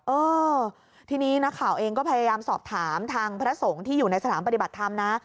เออทีนี้นักข่าวเองก็พยายามสอบถามทางพระสงฆ์ที่อยู่ในสถานปฏิบัติธรรมนะ